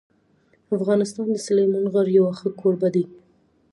افغانستان د سلیمان غر یو ښه کوربه دی.